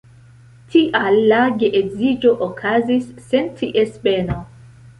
Tial la geedziĝo okazis sen ties beno.